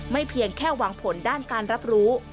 เพียงแค่หวังผลด้านการรับรู้